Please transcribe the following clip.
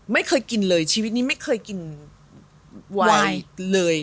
ไม่เคยกินเลยชีวิตนี้ไม่เคยกินวายเลย